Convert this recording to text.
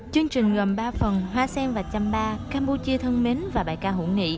chương trình gồm ba phần hoa sen và chăm ba campuchia thân mến và bài ca hữu nghị